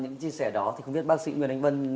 những chia sẻ đó thì không biết bác sĩ nguyễn anh vân